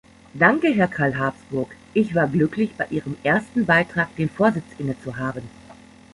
Danke, Herr Karl Habsburg, ich war glücklich, bei Ihrem ersten Beitrag den Vorsitz innezuhaben.